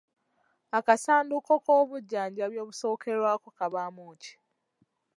Akasanduuko k'obujjanjabi obusookerwako kabaamu ki?